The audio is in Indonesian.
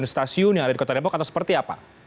di stasiun yang ada di kota depok atau seperti apa